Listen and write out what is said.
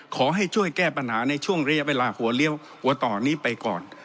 ขอให้ช่วยแก้ปัญหาในช่วงระยะเวลาหัวเลี้ยวหัวต่อนี้ไปก่อน